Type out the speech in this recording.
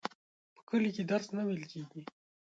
په کلي کي درس نه وویل کیږي.